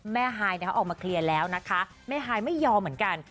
ฮายเขาออกมาเคลียร์แล้วนะคะแม่ฮายไม่ยอมเหมือนกัน